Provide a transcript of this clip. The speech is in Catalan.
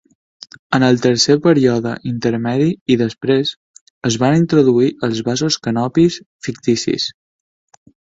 En el Tercer Període Intermedi i després, es van introduir els vasos canopis ficticis.